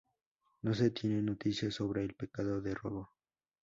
No se tienen noticias sobre el pecado de robo.